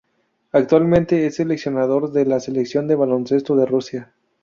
Actualmente es seleccionador de la Selección de baloncesto de Rusia.